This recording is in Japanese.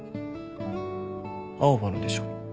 青羽のでしょ。